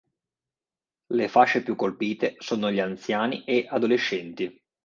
Le fasce più colpite sono gli anziani e adolescenti.